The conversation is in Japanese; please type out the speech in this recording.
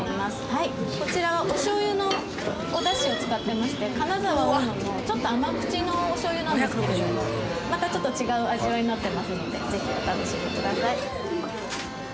こちらはお醤油のおだしを使ってまして金沢大野のちょっと甘口のお醤油なんですけれどもまたちょっと違う味わいになってますのでぜひお楽しみください。